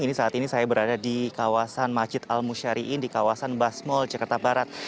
ini saat ini saya berada di kawasan majid al mushari'in di kawasan basmul jakarta barat